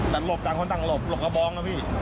แต่หลบจากคนต่างหลบหลบกระบอง